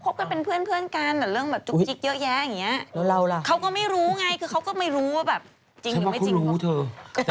บางทีเขาก็พบกันเป็นเพื่อนกัน